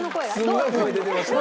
すごい声出てましたよ。